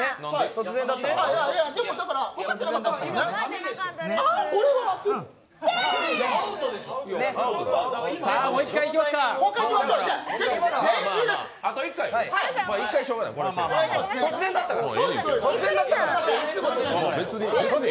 突然だったから。